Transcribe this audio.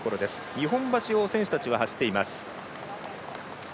日本橋を選手たちは走っています。